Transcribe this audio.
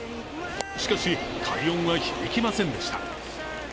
しかし、快音は響きませんでした。